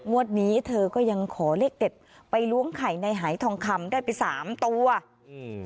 วันนี้เธอก็ยังขอเลขเด็ดไปล้วงไข่ในหายทองคำได้ไปสามตัวอืม